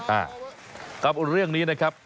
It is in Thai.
อ่ากับเรื่องนี้นะครับ